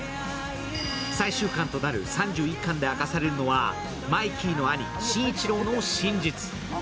最終巻となる３１巻で明かされるのはマイキーの兄・真一郎の真実。